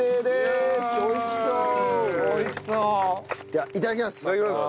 ではいただきます！